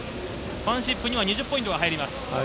ファンシップには２０ポイントが入ります。